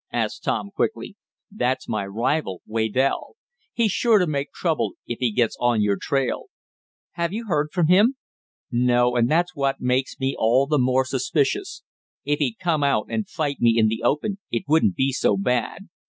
asked Tom quickly. "That's my rival, Waydell. He's sure to make trouble if he gets on your trail." "Have you heard from him?" "No, and that's what makes me all the more suspicious. If he'd come out and fight me in the open it wouldn't be so bad.